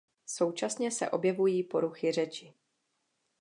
Současně se objevují poruchy řeči.